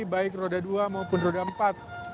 baik roda dua maupun roda empat